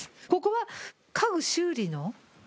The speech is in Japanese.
ここは家具修理の？